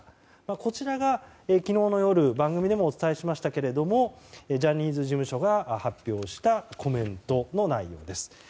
こちらが昨日の夜番組でもお伝えしましたがジャニーズ事務所が発表したコメントの内容です。